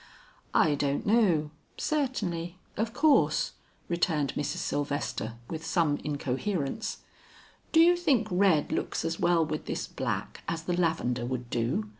"I don't know certainly of course " returned Mrs. Sylvester with some incoherence. "Do you think red looks as well with this black as the lavender would do?"